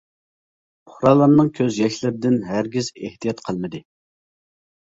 پۇقرالارنىڭ كۆز ياشلىرىدىن ھەرگىز ئېھتىيات قىلمىدى.